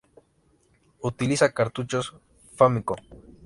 Utiliza cartuchos Famicom.